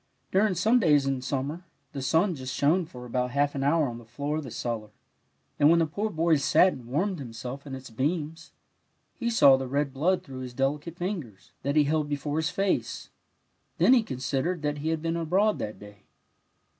During some days in smnmer the sim just shone for about half an hour on the floor of the cellar, and when the poor boy sat and warmed himself in its beams, and he saw the red blood through his delicate fingers, that he held before his face, then he considered that he had been abroad that day.